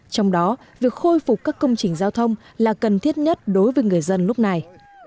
trong đó việc khôi phục các công trình giao thông là cần thiết nhất đối với người dân lúc này